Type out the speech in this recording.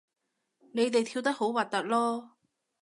你哋跳得好核突囉